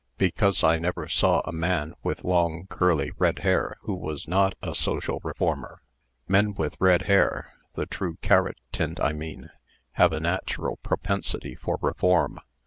"Because I never saw a man with long, curly, red hair, who was not a social reformer. Men with red hair the true carrot tint, I mean have a natural propensity for reform.